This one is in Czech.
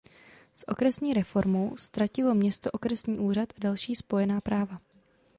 S okresní reformou ztratilo město okresní úřad a další spojená práva.